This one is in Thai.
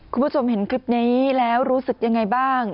คุณผู้ชมเห็นคลิปนี้แล้วรู้สึกยังไงบ้าง